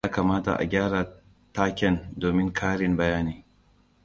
Ya kamata a gyara taken domin karin bayani.